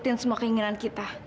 mau nurutin semua keinginan kita